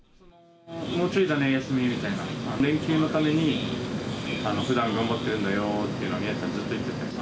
もうちょいだね、休みみたいな、連休のために、ふだん頑張ってるんだよって、美也子さん、ずっと言ってた。